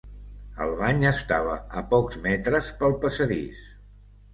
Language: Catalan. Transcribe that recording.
El bany estava a pocs metres pel passadís.